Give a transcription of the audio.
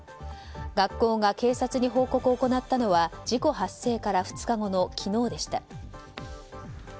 学校が警察に報告を行ったのは事故発生から２日後の昨日でした。